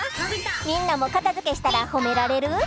みんなもかたづけしたらほめられる？